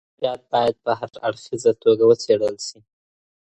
داستاني ادبیات باید په هر اړخیزه توګه وڅېړل سي.